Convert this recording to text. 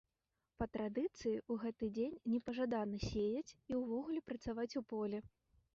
Па традыцыі, у гэты дзень непажадана сеяць і ўвогуле працаваць у полі.